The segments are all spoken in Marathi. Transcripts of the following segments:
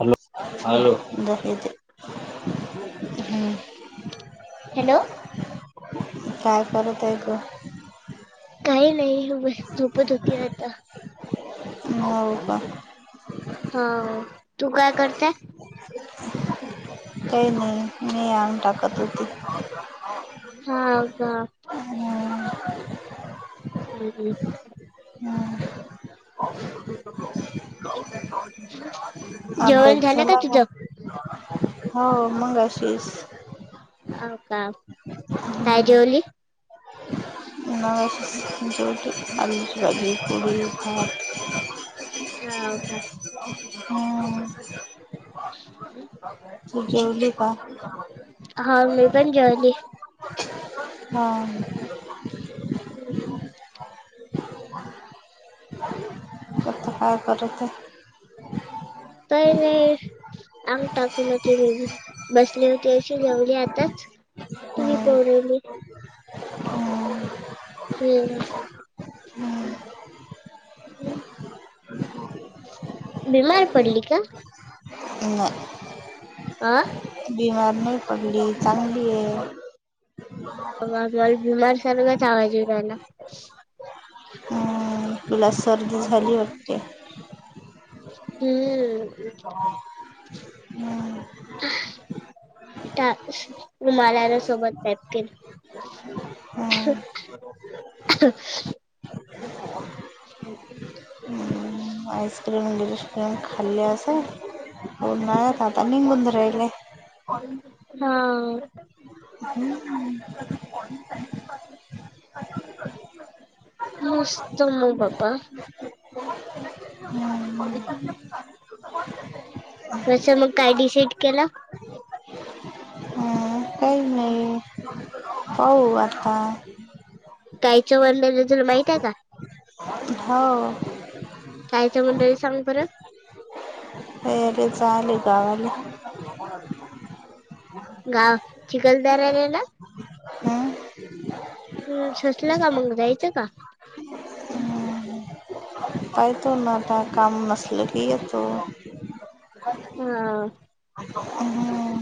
हॅलो हॅलो, झोपली ती. हम्म. हॅलो काय करतोय ग? काही नाही [unintelligible] झोपत होती आता. हो का? हो. तू काय करत्या? काय नाही मी आणून टाकत हुती. हा का हम्म, हं हं. हम्म. जेवण अभ्यास झालं का झाला तुझं? हो मगाशीस. हो का, काय जेवली? [unintelligible] हम्म. [unintelligible] तु जेवली का? हा, मी पण जेवली. हां. [inaudible] आता काय करते? [unintelligible] अंग टाकुन [unintelligible] बसली होती अशी जेवली आताच. हम्म, हम्म, [unintelligible] हम्म. बिमार पडली का? नाय. आं. बीमार नाही पडली चांगली आहे. [unintelligible] हम्म. तुला सर्दी झाली वाटते. हम्म. हम्म, त्या [unintelligible] सोबत पॅक केलं. हम्म. [unintelligible] [unintelligible] आयस्क्रीम बिरीस्क्रीम खाल्ले असा हो नाय आता आता निघून राहिलाय. हा. हम्म. [unintelligible] हम्म, कसं मग काय डिसाईड केलं? [inaudible] हम्म काय नाही. पाहू आता काहीच्या [unintelligible] तुला माहिती का? हाव. [unintelligible] येले चाले गवाला. गाव चिखलदारले गेलं. अं? हम्म. सुचल का मग, जायचं का? काय तो ना आता काम नसलं की येतो. हा. हम्म,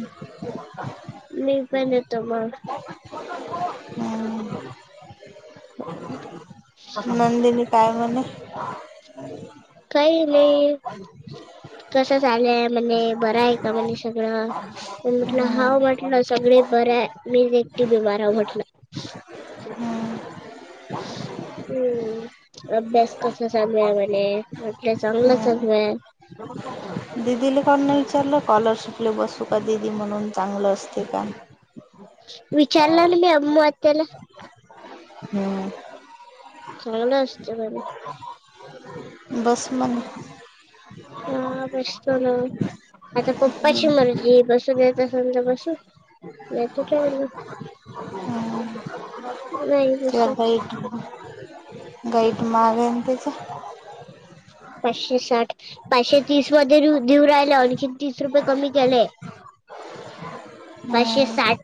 मी पण येतोय मग. हम्म. नंदिनी काय म्हणे? [unintelligible] पण म्हटलं हम्म, हाव म्हटलं सगळे बरं आहे, मीच एकटी बीमार हाव म्हटलं. हम्म. [unintelligible] [unintelligible] दिदीला कोण नाही विचारलं कॉलरशिपले बसू का दिदी म्हणून चांगलं असते का? विचारला न मी आमु आत्याला. हम्म. [unintelligible] [inaudible] बस म्हणे. हा बसतो ना. आता पप्पाची मर्जी, बसू देत असेल तर बसू. नाही तर ठेवलं [inaudible] नाही. तिला बसत गाईड गाईड मग आहे ना तिचा. पाचशे साठ पाचशे तीस मध्ये देऊ राहिला, आणखी तीस रुपये कमी केलेय. [inaudible] हम्म.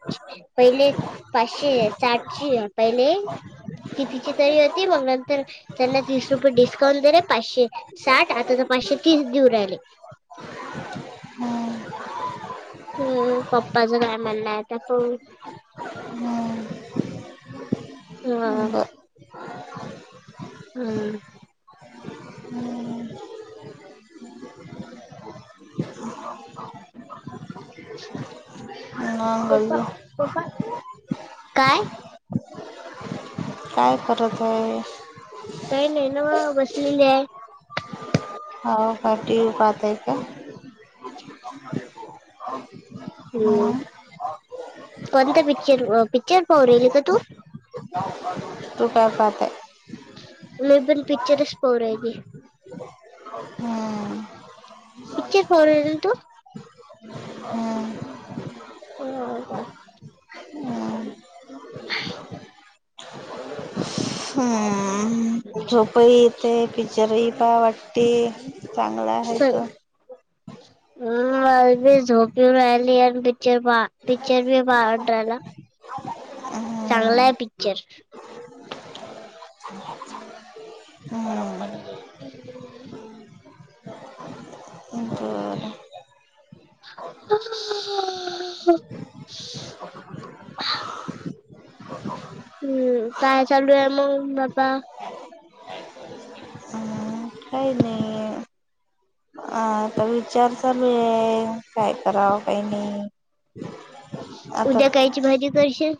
पहिले पाचशे साठशे पहिले [unintelligible] पाचशे साठ आता तर पाचशे तीस दिऊ राहिले. हम्म हम्म. पप्पाचं काय म्हणलंय आत पाहु. हम्म बर [unintelligible] हा. मंगल पपा. काय? काय करत आहेस? काही नाही नव्हं बसलेली आहे. हो का टी व्ही पाहतायत का. [inaudible] हम्म? कोणता पिक्चर पिक्चर पाहु राहील का तू? तु काय पाहत आहे. मी पण पिक्चरच पावू रायहली. हम्म. पिक्चर पाऊ राहिले ना तू. हम्म हम्म ह [unintelligible] हमं. हमं. झोप ही येते पिच्चरही पाह वाटते चांगलं आहे त हा. मला बी झोप येऊ राहिली आणि पिक्चर बा पिक्चर पावू वाटा राहिला. चांगला हम्म आहे पिक्चर. [unintelligible] हा. [unintelligible] हा [unintelligible] हंं हं हंं हं हम्म काय चालो आहे मग बपा. काय नाही. आता विचार चालू आहे काय करावं काही नाही. आता उद्या कायची भाजी करशील.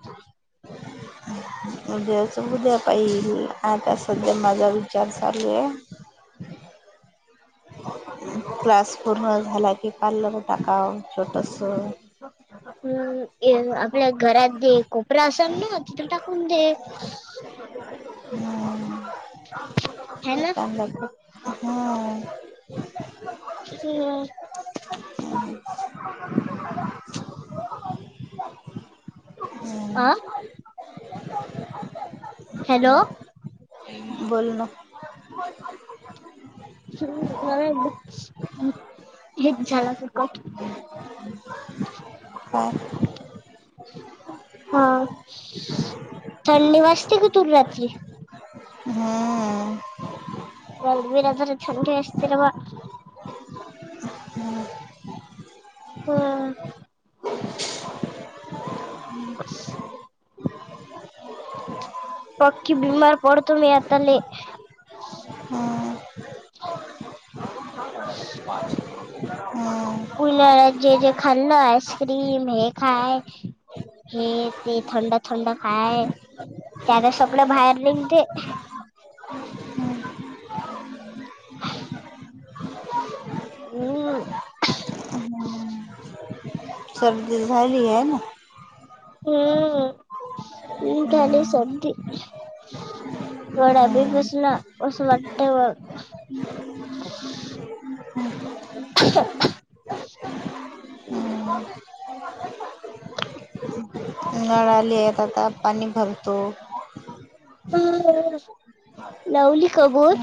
उद्याच उद्या पाहिल आता सध्या माझा विचार चालू आहे. क्लास पूर्ण झाला की पार्लर टाका छोटसं. ह [unintelligible] हम् आपल्या घरात जे कोपरा असाल ना तिथं टाकून दे. हम्म. है इथं ना आणला कप हा. हम्म, [unintelligible] आ हमं हॅलो. बोल ना. [unintelligible] ह एक झाला फुकट बाम. हा थंडी वाजते की तूल रातची? हम्मम. गलबनात्र छग असस्तिरवा. [unintelligible] हा. बस्स. पक्की बीमार पडतो मी आता ले [inaudible] ह. [unintelligible] उन्हाळ्यात जे जे खाल्लं आईस्क्रीम हे खाय हे ते थंड थंड खाय त्याला सगळं बाहेर निगते. हम्. [unintelligible] सर्दी झालीये ना. हम. हम्म [unintelligible] गडभी हम्म पसन कसं वाटे व. [inaudible] हम्. हम्म [unintelligible] नळा आलेत आता पाणी भरतो. हम्म ह लावली का बोर?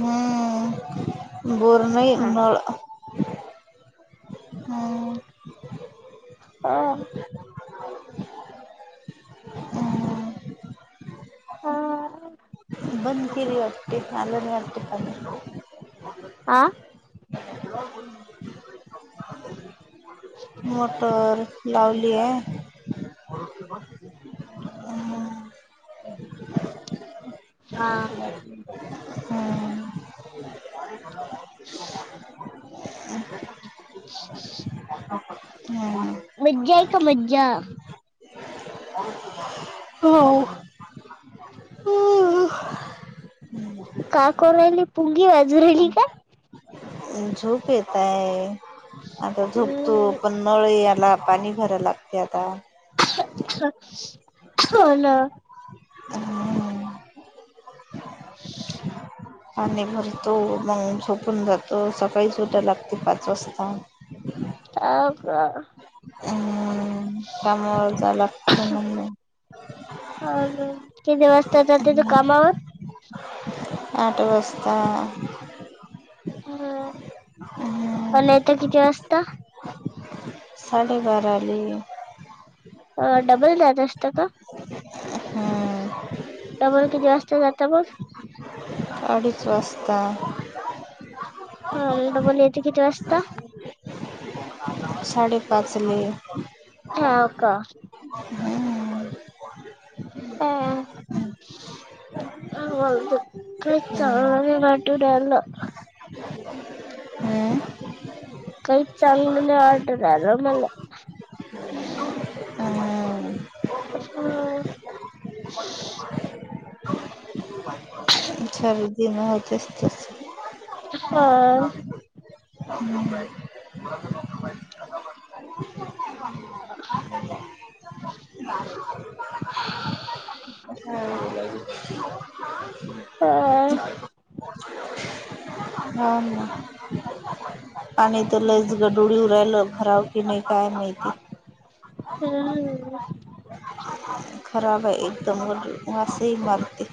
हम्म बोर नाही हा नळ. हम हा. हम्म पन किरी वाटे नलने अटे पणो. [unintelligible] आ? मटर लावलीये. [unintelligible] हां. मज्जा आहे का मज्जा? हो ह [unintelligible] काम करून राहिली पुंगी वाजून राहिली का? झोप येतय. आता झोपतो हम्म. पण नळ याला पाणी भरय लागते आता. [unintelligible] हो ना. हम्म. [inaudible] पाणी भरतो, मग झोपून जातो स सकाळीच उटाव लागते पाच वाजता. हा का? हम्म. कामावर झाला [unintelligible] आणि किती वाजता जाते तू कामावर? आठ वाजता. अन हम्म. येता किती वाजता? साडेबारा ली अ डबल द्याच असत का? ह [unintelligible] हम्म. त्यामर कितीे वाजत जाता मग? अडीच वाजता. हां डबल येते किती वाजता? साडे पाचले, हाव का हम्म. [unintelligible] वाटू हम्म राहिलं [unintelligible] हम्म [unintelligible] मला. अ. [unintelligible] [unintelligible] शर्दी ह तेच तेच. हा. [unintelligible] [unintelligible] [unintelligible] [unintelligible] काय? ना [unintelligible] पाणी तर लयच गडुळ येऊ राहिलं भराव की नाही काय माहिती हम् [unintelligible] खराब है एकदम व तै वास हि मारते.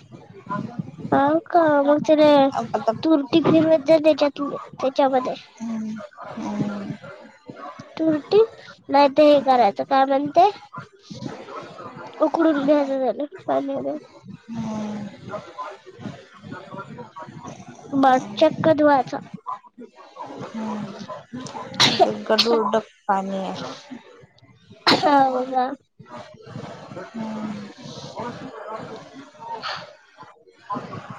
हा का मग ते आता तुरटी फिरवत जा त्याच्यात त्याच्यामध्ये. हम हम [unintelligible] तुरटी नाहीतर हे करायचं काय म्हणते उकडून घ्याचच त्याले पाण्याले हम्म बर चक्क धुवायचा [unintelligible] एक गडुडक पाणी आहे हो का? [inaudible]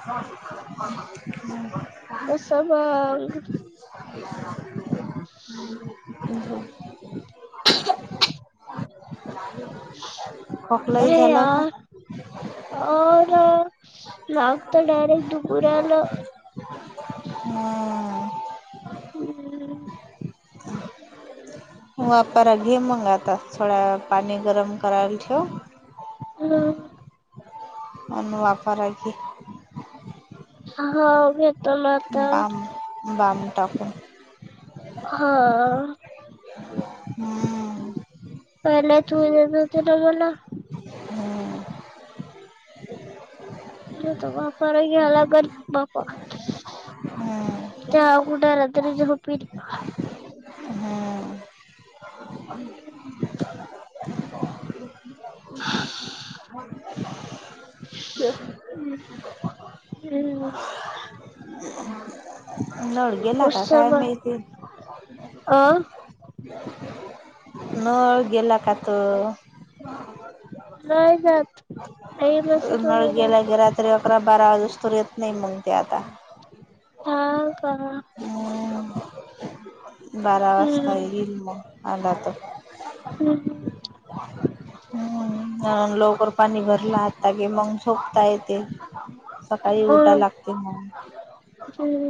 तसं मग [unintelligible] [unintelligible] [unintelligible] खोकलाही अरे या झाला का [unintelligible] हो ना मान डायरेक्ट दुखू राहिलं. हम्म हम्म. वाफर्य मग घे मग आता थोडा वेळ पाणी गरम करायला ठेव. हम [unintelligible] आणि वाफारायची हा घे बाम बाम टाकून हा. हम्म पहिलाच देत होते ना तू मला. हम्म आता वापर्या घ्याय लागल बापा हम्म चहा कुड रात्री झोप येईल. हम्म [unintelligible] हम्म [unintelligible] नळ गेला का काय माहिती. आं? नळ गेला का तो? [unintelligible] नाही जात कायम [unintelligible] तरी अकरा बारा बाजूस तवर नाही मग ती आता. हा का? हम्म बारा वाजता हम्म येईल मग आला तर हम्म ह लवकर पाणी भरला आता की मग झोपता येते. सकाळी उठाय लागते मग. हम्म [unintelligible]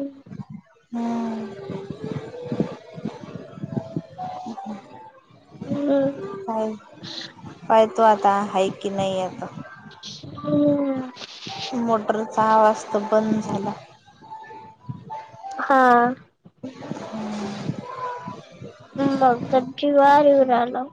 हम्म. हम. काय काय तो आता आहे की नाही आता. हम्म. मोटरचा आवाज तर बंद झाला. हा. मग तर. [unintelligible]